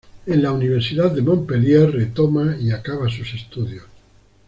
En la Universidad de Montpellier retoma y acaba sus estudios.